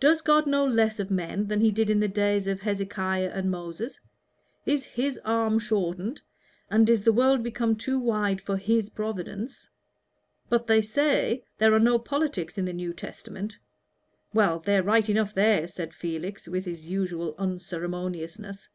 Does God know less of men than He did in the days of Hezekiah and Moses? is His arm shortened, and is the world become too wide for His providence? But, they say, there are no politics in the New Testament " "Well, they're right enough there," said Felix, with his usual unceremoniousness.